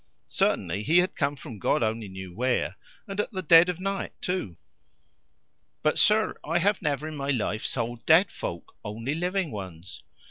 Certainly he had come from God only knew where, and at the dead of night, too! "But, sir, I have never in my life sold dead folk only living ones.